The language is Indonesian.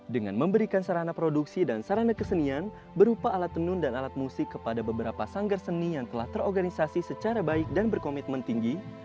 dengan memberikan sarana produksi dan sarana kesenian berupa alat tenun dan alat musik kepada beberapa sanggar seni yang telah terorganisasi secara baik dan berkomitmen tinggi